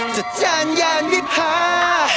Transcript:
จจันยารวิภา